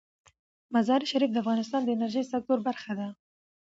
مزارشریف د افغانستان د انرژۍ سکتور برخه ده.